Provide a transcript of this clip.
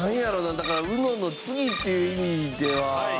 だからＵＮＯの次っていう意味では。